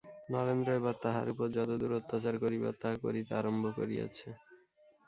নরেন্দ্র এবার তাহার উপর যত দূর অত্যাচার করিবার তাহা করিতে আরম্ভ করিয়াছে।